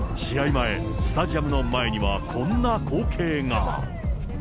前、スタジアムの前には、こんな光景が。